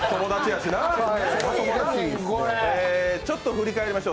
ちょっと振り返りましょう。